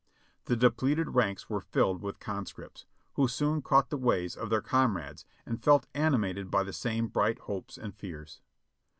The depleted ranks were filled with conscripts, who soon caught the ways of their comrades and felt animated by the same bright hopes and fears.